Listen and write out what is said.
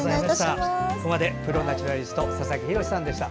プロ・ナチュラリスト佐々木洋さんでした。